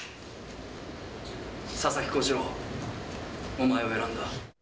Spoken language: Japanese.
佐々木小次郎、お前を選んだ。